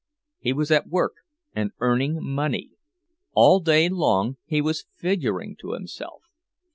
He was at work and earning money! All day long he was figuring to himself.